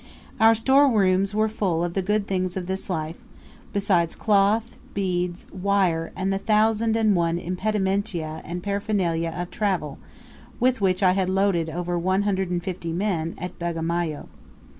Our store rooms were full of the good things of this life, besides cloth, beads, wire, and the thousand and one impedimenta and paraphernalia of travel with which I had loaded over one hundred and fifty men at Bagamoyo.